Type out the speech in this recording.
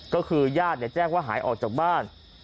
ก็คือยาธเนี่ยแจ้งว่าหายออกจากบ้าน